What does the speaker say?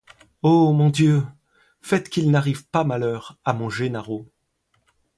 Ô mon Dieu! faites qu’il n’arrive pas malheur à mon Gennaro !